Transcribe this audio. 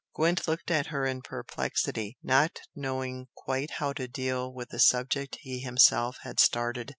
Gwent looked at her in perplexity, not knowing quite how to deal with the subject he himself had started.